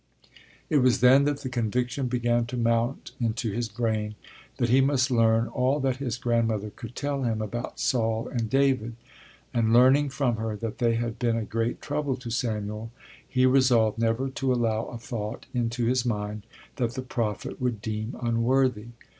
It was then that the conviction began to mount into his brain that he must learn all that his grandmother could tell him about Saul and David, and learning from her that they had been a great trouble to Samuel he resolved never to allow a thought into his mind that the prophet would deem unworthy.